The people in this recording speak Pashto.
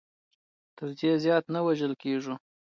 تر دې زیات نه وژل کېږو.